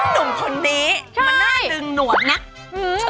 หนูคนนี้มันน่าดึงหนวดเนี่ย